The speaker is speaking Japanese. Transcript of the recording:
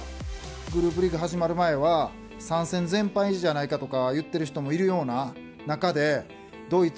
グループリーグ始まる前は、３戦全敗じゃないかとか言ってる人もいるような中で、ドイツ、